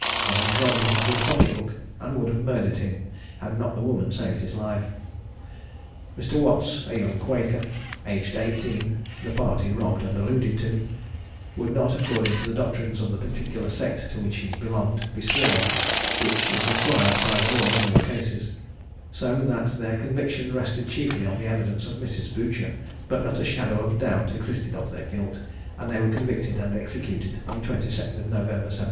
They had robbed him of his pocket book, and would have murdered him had not the woman saved his life. Mr. Watts, a young Quaker, aged eighteen, the party robbed and alluded to, would not, according to the doctrines of the particular sect to which he belonged, be sworn, which is required by the law in all cases, so that their conviction rested chiefly on the evidence of Mrs. Boucher; but not a shadow of a doubt existed of their guilt, and they were convicted and executed on the 22nd of November, 1780.